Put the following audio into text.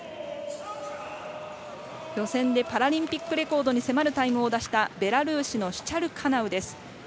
予選でパラリンピックレコードに迫るタイムを出したベラルーシのシチャルカナウです。